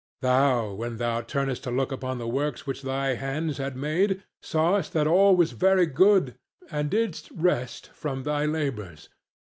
Thou when thou turnedst to look upon the works which thy hands had made, sawest that all was very good, and didst rest from thy labours.